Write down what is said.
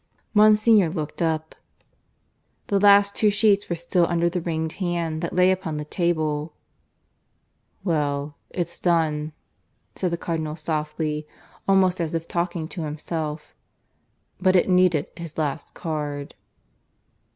Monsignor looked up. The last two sheets were still under the ringed hand that lay upon the table. "Well, it's done," said the Cardinal softly, almost as if talking to himself. "But it needed his last card."